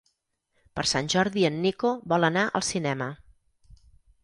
Per Sant Jordi en Nico vol anar al cinema.